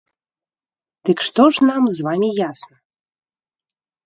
Дык што ж нам з вамі ясна?